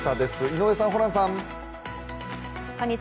井上さん、ホランさん。